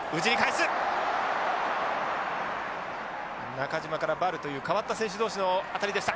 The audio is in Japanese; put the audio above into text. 中島からヴァルという代わった選手同士の当たりでした。